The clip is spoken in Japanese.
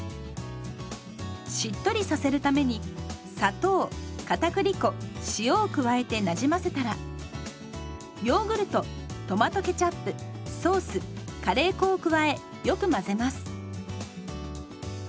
しっとりさせるために砂糖かたくり粉塩を加えてなじませたらヨーグルトトマトケチャップソースカレー粉を加えよく混ぜます。